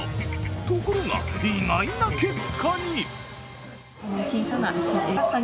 ところが意外な結果に。